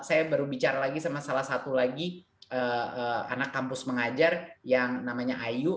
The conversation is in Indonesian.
saya baru bicara lagi sama salah satu lagi anak kampus mengajar yang namanya ayu